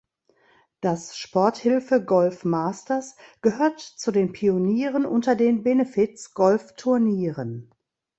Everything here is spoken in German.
Das Sporthilfe Golf Masters gehört zu den Pionieren unter den Benefiz-Golf-Turnieren.